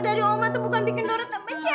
jadi oma tuh bukan bikin dora tebek ya